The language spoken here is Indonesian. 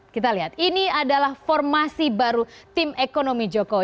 kita lihat ini adalah formasi baru tim ekonomi jokowi